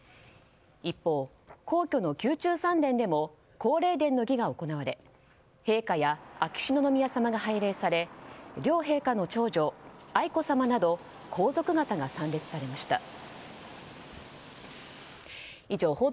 一方、皇居の宮中三殿でも皇霊殿の儀が行われ陛下や秋篠宮さまが拝礼され両陛下の長女・愛子さまなど皇族方が参列されました。